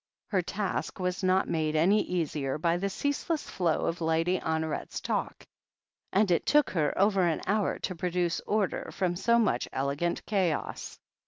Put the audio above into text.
Her task was not made any easier by the ceaseless flow of Lady Honoret's talk, and it took her over an hour to produce order from so much elegant chaos.